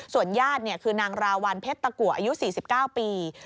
ส่วนญาติเนี่ยคือนางราวันเพศตะกัวอายุ๔๙ปี